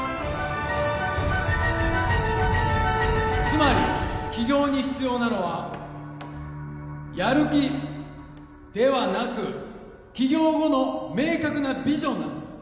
つまり起業に必要なのはやる気ではなく起業後の明確なビジョンなんです